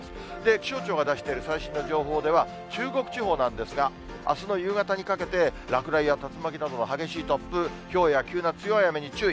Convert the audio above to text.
気象庁が出している最新の情報では、中国地方なんですが、あすの夕方にかけて、落雷や竜巻などの激しい突風、ひょうや急な強い雨に注意。